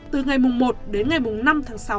từ ngày một đến ngày năm tháng sáu